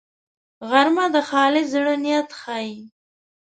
غرمه د خالص زړه نیت ښيي